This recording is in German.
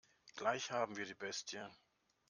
Gleich haben wir die Bestie.